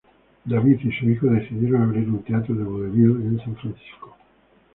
David y su hijo decidieron abrir un teatro de vodevil en San Francisco.